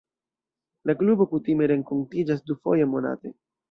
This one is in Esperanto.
La klubo kutime renkontiĝas dufoje monate.